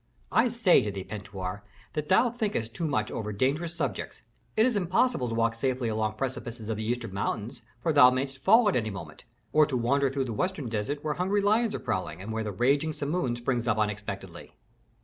"I say to thee, Pentuer, that thou thinkest too much over dangerous subjects. It is impossible to walk safely along precipices of the eastern mountains, for thou mayst fall at any moment; or to wander through the western desert, where hungry lions are prowling, and where the raging simoom springs up unexpectedly."